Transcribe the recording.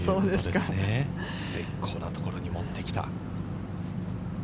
絶好なところに持ってきた。